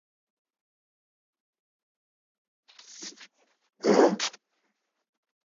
Түрәләргә чыгып китүдән башка чара калмады.